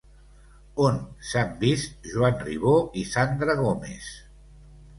On s'han vist Joan Ribó i Sandra Gómez?